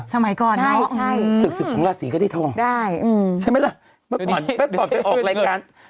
สมัยก่อนเนอะสึกทองราศีก็ได้ทองใช่ไหมล่ะเมื่อก่อนไปออกรายการ